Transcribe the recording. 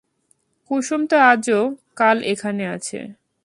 কুসুম তো আজ ও কাল এখানে আছে।